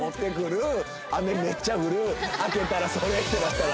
開けたらそれってなったら。